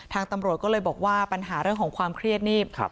ตำรวจก็เลยบอกว่าปัญหาเรื่องของความเครียดนี่